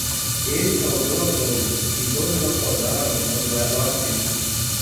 Ele saudou a todos e todos a saudaram quando ela a viu.